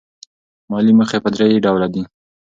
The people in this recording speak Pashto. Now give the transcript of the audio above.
مالي موخې په درې ډوله دي.